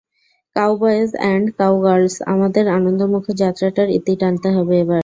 Cowboys and cowgirls, আমাদের আনন্দমুখর যাত্রাটার ইতি টানতে হবে এবার।